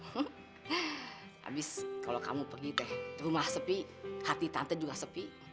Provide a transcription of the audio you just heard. hmm abis kalau kamu pergi teh rumah sepi hati tante juga sepi